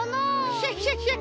クシャシャシャ！